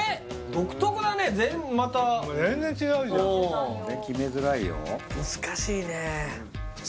独特だね全部また全然違うじゃんこれ決めづらいよ難しいね